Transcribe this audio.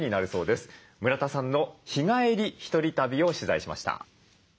村田さんの日帰り１人旅を取材しました。